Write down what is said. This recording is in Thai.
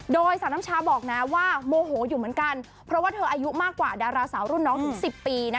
โดยสาวน้ำชาบอกนะว่าโมโหอยู่เหมือนกันเพราะว่าเธออายุมากกว่าดาราสาวรุ่นน้องถึง๑๐ปี